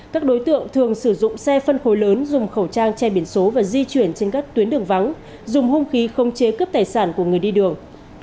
các đối tượng thường sử dụng xe phân khối lớn dùng khẩu trang che biển số và di chuyển trên các tuyến đường vắng dùng hung khí không chế cướp tài sản của người đi đường